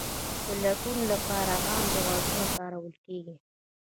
د لټون لپاره عام لغتونه کارول کیږي.